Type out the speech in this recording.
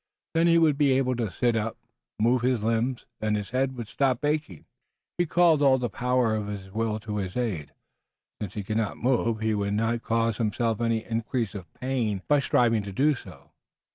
Then he would be able to sit up, move his limbs, and his head would stop aching. He called all the powers of his will to his aid. Since he could not move he would not cause himself any increase of pain by striving to do so.